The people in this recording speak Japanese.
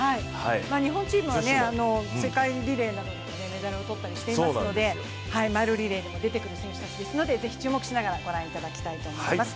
日本チームは世界リレーなどでもメダルを取ったりしていますのでマイルリレーにも出てくる選手たちですのでぜひ注目しながら、御覧いただきたいと思います。